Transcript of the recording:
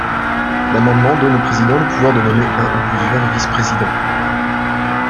L'amendement donne au président le pouvoir de nommer un ou plusieurs vice-présidents.